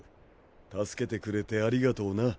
助けてくれてありがとうな。